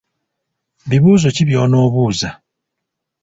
Bibuuzo ki by’onoobuuza?